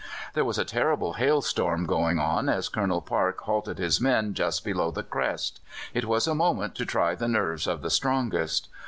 There was a terrific hailstorm going on as Colonel Park halted his men just below the crest: it was a moment to try the nerves of the strongest.